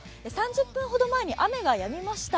３０分ほど前に雨がやみました。